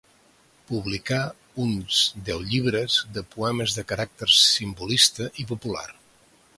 Publicà uns deu llibres de poemes de caràcter simbolista i popular.